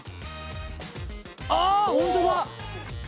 ああ、本当だ！